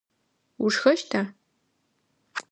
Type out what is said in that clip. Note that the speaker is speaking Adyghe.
Ушхэщта?